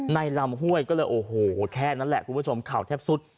ลำห้วยก็เลยโอ้โหแค่นั้นแหละคุณผู้ชมข่าวแทบสุด